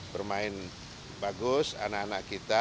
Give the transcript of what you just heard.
bermain bagus anak anak kita